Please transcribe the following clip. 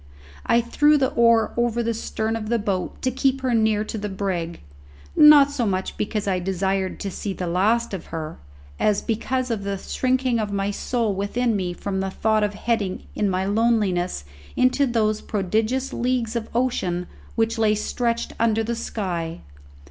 I threw the oar over the stern of the boat to keep her near to the brig, not so much because I desired to see the last of her, as because of the shrinking of my soul within me from the thought of heading in my loneliness into those prodigious leagues of ocean which lay stretched under the sky.